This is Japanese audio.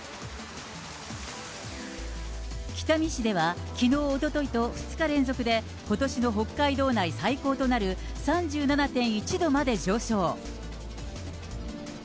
北見市ではきのう、おとといと２日連続でことしの北海道内最高となる、３７．１度まで上昇。